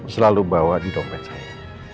selalu bawa di dompet saya